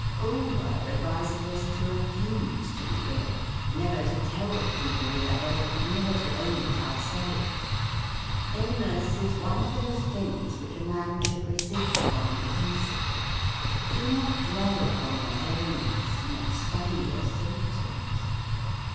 Bulwer advises us to refuse to be ill, never to tell people we are ill, never to own it ourselves. Illness is one of those things which a man should resist on principle. Do not dwell upon your ailments nor study your symptoms.